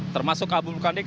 termasuk abu vulkanik